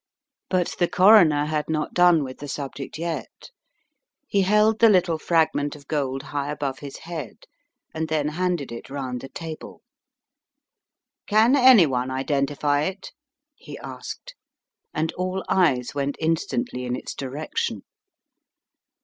But the Coroner had not done with the subject The Twin Scarves 225 yet. He held the little fragment of gold high above his head, and then handed it round the table. "Can any one identify it?" he asked, and all eyes went instantly in its direction.